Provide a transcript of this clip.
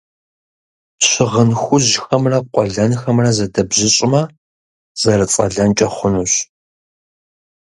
Щыгъын хужьхэмрэ къуэлэнхэмрэ зэдэбжьыщӏмэ, зэрыцӏэлэнкӏэ хъунущ.